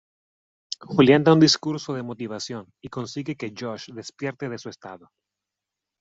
Julian da un discurso de motivación y consigue que Josh despierte de su estado.